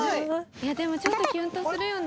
いやでもちょっとキュンとするよね。